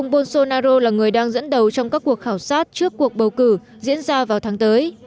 ông bolsonaro là người đang dẫn đầu trong các cuộc khảo sát trước cuộc bầu cử diễn ra vào tháng tới